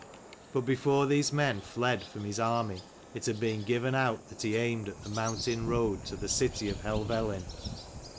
But, before these men fled from his army, it had been given out that he aimed at the mountain road to the city of Helvellyn.